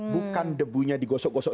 bukan debunya digosok gosok